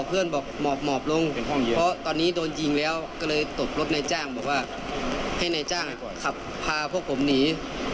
เจ้าคมได้จักรขับพ่อพวกผมหนี